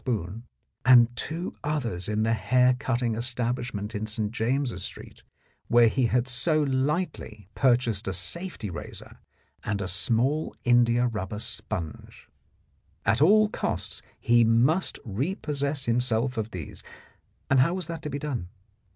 spoon, and two others in the hair cutting establish ment in St. James's Street, where he had so lightly 56 The Blackmailer of Park Lane purchased a safety razor and a small indiarubber sponge. At all costs he must repossess himself of these, and how was that to be done?